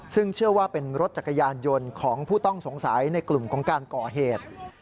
ซึ่งเชื่อว่าเป็นรถจักรยานยนต์ของผู้ต้องสงสัยในกลุ่มของการก่อเหตุ